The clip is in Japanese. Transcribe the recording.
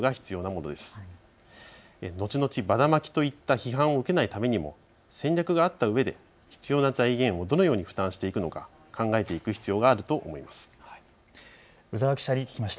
のちのち、ばらまきといった批判を受けないためにも戦略があったうえで必要な財源をどのように負担していくのか考えていく必要があると思います。